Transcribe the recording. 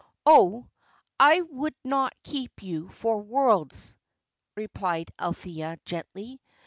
"Oh, I would not keep you for worlds," replied Althea, gently.